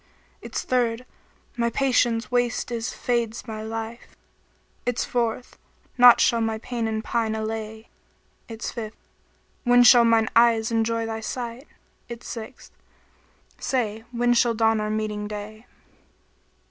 Its third, 'My patience waste is, fades my life!' * Its fourth, 'Naught shall my pain and pine allay!' Its fifth, 'When shall mine eyes enjoy thy sight?' * Its sixth, 'Say, when shall dawn our meeting day?'